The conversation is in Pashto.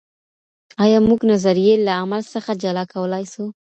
آيا موږ نظريې له عمل څخه جلا کولای سو؟